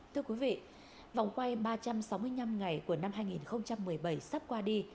thưa quý vị vòng quay ba trăm sáu mươi năm ngày của năm hai nghìn một mươi bảy sắp qua đi